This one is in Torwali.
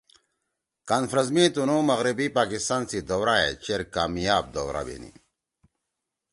کانفرنس می تنُو مغربی پاکستان سی دورا ئے چیر کامیاب دورہ بینی